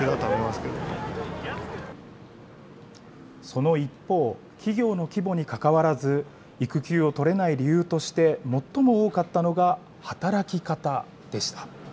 その一方、企業の規模にかかわらず、育休を取れない理由として、最も多かったのが、働き方でした。